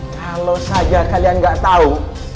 kalau saja kalian gak tau